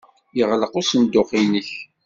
Yeɣleq usenduq-nnek?